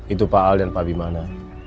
itu pak al dan pak bimana